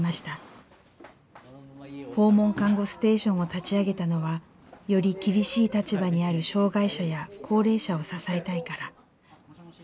訪問看護ステーションを立ち上げたのはより厳しい立場にある障害者や高齢者を支えたいから。